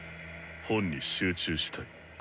本に集中したい。